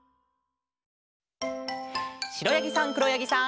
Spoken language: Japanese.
しろやぎさんくろやぎさん。